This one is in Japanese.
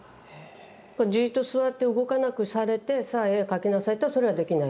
じっと座って動かなくされて「さあ絵描きなさい」ってのはそれはできない。